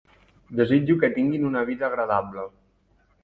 Desitjo que tinguin una vida agradable.